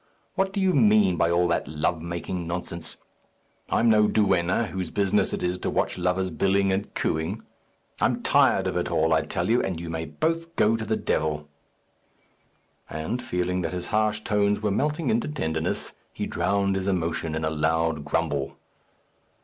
What do you mean by all that love making nonsense? I'm no duenna, whose business it is to watch lovers billing and cooing. I'm tired of it all, I tell you; and you may both go to the devil." And feeling that his harsh tones were melting into tenderness, he drowned his emotion in a loud grumble.